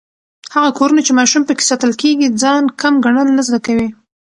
هغه کورونه چې ماشومان پکې ستايل کېږي، ځان کم ګڼل نه زده کوي.